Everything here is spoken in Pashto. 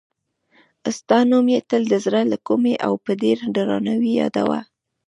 ستا نوم یې تل د زړه له کومې او په ډېر درناوي یادوه.